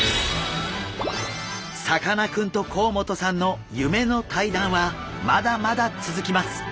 さかなクンと甲本さんの夢の対談はまだまだ続きます！